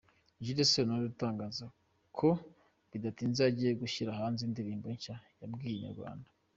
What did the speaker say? Jules Sentore utangaza ko bidatinze agiye gushyira hanze indirimbo nshya yabwiye Inyarwanda.